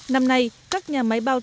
năm nay các nhà máy bao trị